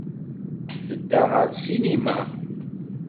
Tedda ɣer ssinima.